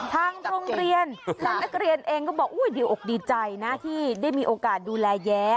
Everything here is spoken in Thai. ทางโรงเรียนหลังนักเรียนเองก็บอกดีอกดีใจนะที่ได้มีโอกาสดูแลแย้